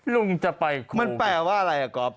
ลุงจะไปโควิดมันแปลว่าอะไรครับก๊อบ